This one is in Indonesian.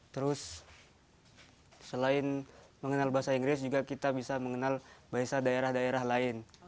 terus selain mengenal bahasa inggris juga kita bisa mengenal bahasa daerah daerah lain